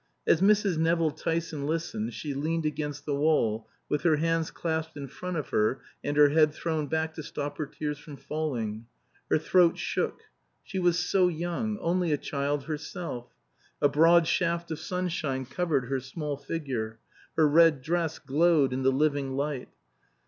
As Mrs. Nevill Tyson listened she leaned against the wall, with her hands clasped in front or her and her head thrown back to stop her tears from falling. Her throat shook. She was so young only a child herself! A broad shaft of sunshine covered her small figure; her red dress glowed in the living light.